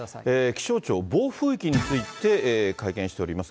気象庁、暴風域について会見しております。